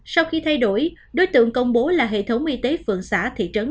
sau khi thay đổi đối tượng công bố là hệ thống y tế phường xã thị trấn